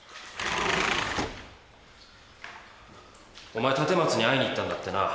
・お前立松に会いに行ったんだってな。